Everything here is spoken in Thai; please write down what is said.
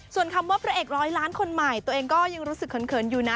ส่วนคำว่าพระเอกร้อยล้านคนใหม่ตัวเองก็ยังรู้สึกเขินอยู่นะ